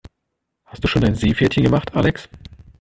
Hast du schon dein Seepferdchen gemacht, Alex?